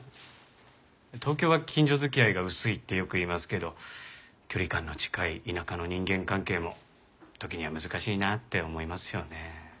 東京は近所付き合いが薄いってよく言いますけど距離感の近い田舎の人間関係も時には難しいなって思いますよね。